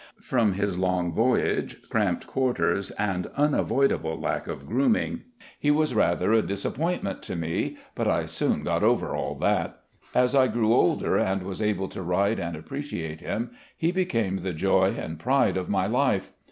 From his long voyage, cramped quarters and unavoidable lack of grooming, he was rather a disappointment to me, but I soon got over all that. As I grew older, and was able to ride and appreciate him, he became the joy and pride of my life.